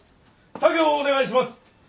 作業をお願いします！